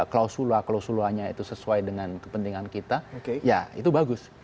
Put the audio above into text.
klausula klausulannya itu sesuai dengan kepentingan kita ya itu bagus